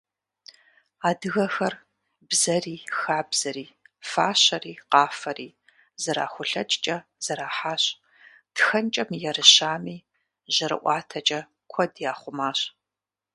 Адыгэхэр бзэри, хабзэри, фащэри, къафэри зэрахулъэкӏкӏэ зэрахьащ, тхэнкӏэ мыерыщами, жьэрыӏуатэкӏэ куэд яхъумащ.